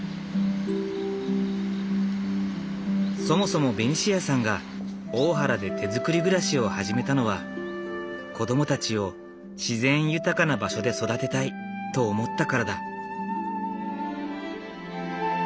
そもそもベニシアさんが大原で手づくり暮らしを始めたのは子供たちを自然豊かな場所で育てたいと思ったからだ。